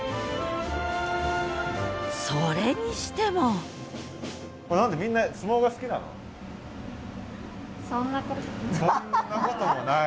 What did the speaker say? それにしてもそんなこともない。